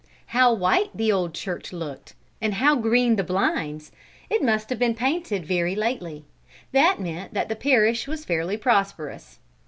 How white the old church looked, and how green the blinds! It must have been painted very lately: that meant that the parish was fairly prosperous.